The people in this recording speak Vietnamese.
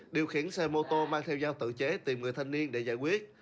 điều khiển xe mô tô mang theo dao tự chế tìm người thanh niên để giải quyết